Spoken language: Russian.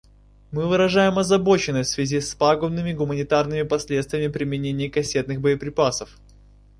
Мы выражаем озабоченность в связи с пагубными гуманитарными последствиями применения кассетных боеприпасов.